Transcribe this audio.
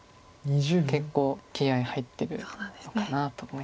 結構気合い入ってるのかなと思います。